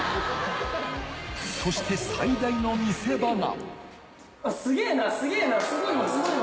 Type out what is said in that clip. そして最大の見せ場が。